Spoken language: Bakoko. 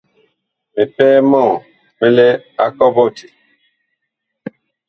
Mipɛɛ mɔɔ mi lɛ a kɔɓɔti.